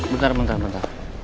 bentar bentar bentar